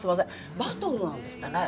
バトルなんですってね。